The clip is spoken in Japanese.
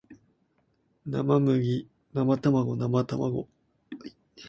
生麦生卵生卵